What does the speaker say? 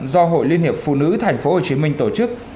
do hội liên hiệp phụ nữ tp hcm tổ chức